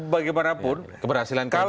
bagaimanapun keberhasilan kerja